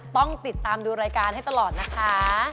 ต้องติดตามดูรายการให้ตลอดนะคะ